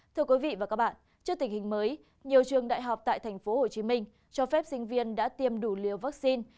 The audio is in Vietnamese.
thưa quý vị và các bạn trước tình hình mới nhiều trường đại học tại tp hcm cho phép sinh viên đã tiêm đủ liều vaccine